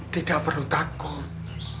tidak perlu takut